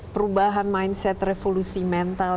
perubahan mindset revolusi mental